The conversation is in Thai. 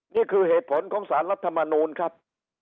นี่คือเหตุผลของสารรัฐมนูลครับ